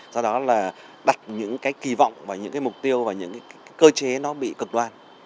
do đó là đặt những kỳ vọng và những cái mục tiêu và những cơ chế nó bị cực đoan